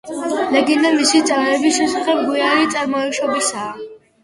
ლეგენდა მისი წამების შესახებ გვიანი წარმოშობისაა.